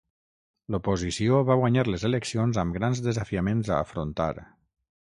L'oposició va guanyar les eleccions amb grans desafiaments a afrontar.